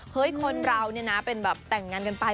คนเราเนี่ยนะเป็นแบบแต่งงานกันไป